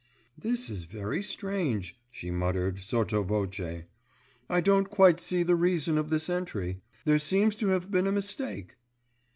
"This is very strange," she muttered, sotto voce. "I don't quite see the reason of this entry. There seems to have been a mistake."